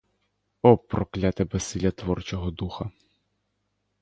О, прокляте безсилля творчого духа!